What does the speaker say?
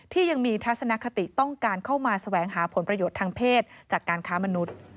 ที่ยังมีทัศนคติต้องการเข้ามาแสวงหาผลประโยชน์ทางเพศจากการค้ามนุษย์